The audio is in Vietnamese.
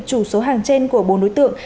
chủ số hàng trên của bốn đối tượng